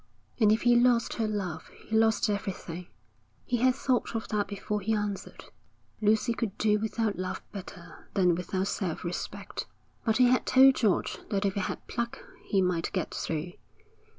And if he lost her love he lost everything. He had thought of that before he answered: Lucy could do without love better than without self respect. But he had told George that if he had pluck he might get through.